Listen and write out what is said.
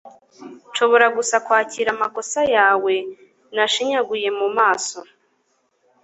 nshobora gusa kwakira amakosa yawe nashinyaguye mu maso